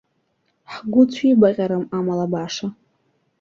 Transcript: Ҳгәы цәибаҟьарым амалабаша!